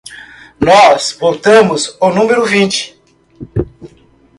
Nós votamos o número vinte.